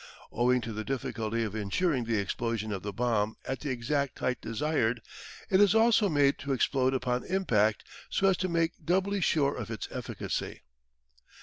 Owing to the difficulty of ensuring the explosion of the bomb at the exact height desired, it is also made to explode upon impact so as to make doubly sure of its efficacy.